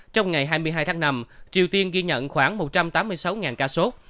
trong ngày hai mươi hai tháng năm triều tiên ghi nhận khoảng một trăm tám mươi sáu ca sốt